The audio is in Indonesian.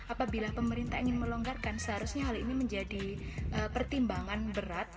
apabila pemerintah ingin melonggarkan seharusnya hal ini menjadi pertimbangan berat